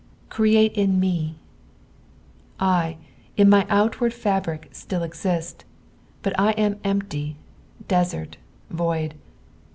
"Createin ffl«." I, in my outward fabric, still exist ; but I am empty, desert, void.